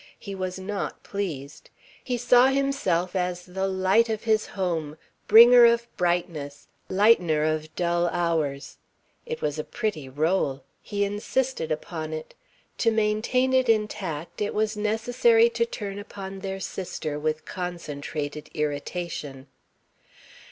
He was not pleased. He saw himself as the light of his home, bringer of brightness, lightener of dull hours. It was a pretty rôle. He insisted upon it. To maintain it intact, it was necessary to turn upon their sister with concentrated irritation.